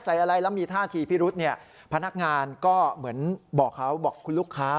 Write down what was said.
อะไรแล้วมีท่าทีพิรุษเนี่ยพนักงานก็เหมือนบอกเขาบอกคุณลูกค้า